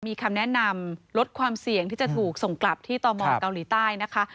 มีคำแนะนำลดความเสี่ยงที่จะถูกส่งกลับที่ตมเกาหลีใต้นะคะ